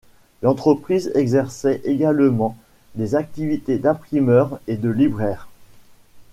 L'entreprise exerçait également les activités d'imprimeur et de libraire.